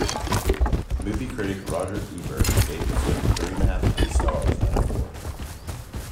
Movie critic Roger Ebert gave the film three-and-a-half stars out of four.